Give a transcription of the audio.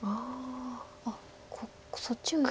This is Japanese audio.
あっそっちを。